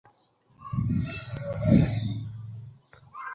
অজ্ঞাত পরিচয় সন্ত্রাসীরা অস্ত্রসহ শহরে প্রবেশ করেছে, স্যার।